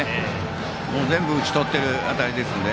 全部打ち取っている当たりですので。